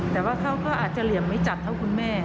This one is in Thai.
แต่ว่าเขาก็อาจจะเหลี่ยมไม่จัดเท่าคุณแม่